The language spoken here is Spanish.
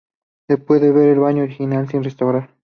Se puede ver el baño original sin restaurar.